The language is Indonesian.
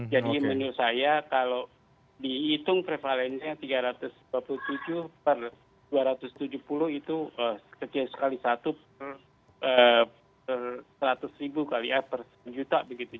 jadi menurut saya kalau dihitung prevalensnya tiga ratus empat puluh tujuh per dua ratus tujuh puluh itu sekitar sekali satu per seratus ribu kali ya per juta begitu